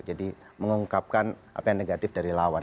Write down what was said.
jadi mengungkapkan apa yang negatif dari lawan